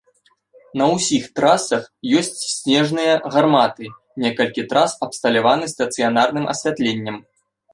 На ўсіх трасах ёсць снежныя гарматы, некалькі трас абсталяваныя стацыянарным асвятленнем.